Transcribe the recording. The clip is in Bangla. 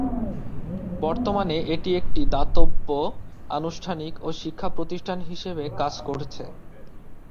বর্তমানে এটি একটি দাতব্য, আনুষ্ঠানিক ও শিক্ষা প্রতিষ্ঠান হিসেবে কাজ করছে।